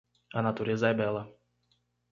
A natureza é bela.